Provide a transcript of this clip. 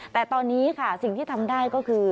แต่ตอนนี้ค่ะสิ่งที่ทำได้ก็คือ